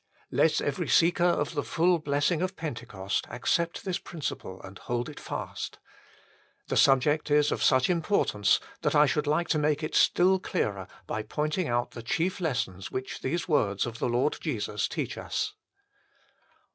Let every seeker of the full blessing of Pentecost accept this principle and hold it fast. The subject is of such importance that I should like to make it still clearer by pointing out the chief lessons which these words of the Lord Jesus teach us.